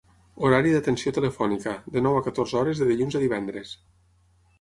Horari d'atenció telefònica: de nou a catorze hores de dilluns a divendres.